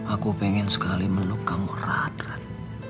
aku pengen sekali meluk kamu radrat